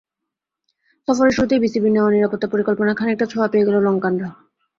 সফরের শুরুতেই বিসিবির নেওয়া নিরাপত্তা পরিকল্পনার খানিকটা ছোঁয়া পেয়ে গেল লঙ্কানরা।